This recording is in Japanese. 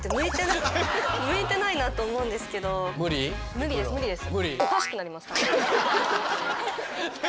無理です無理です。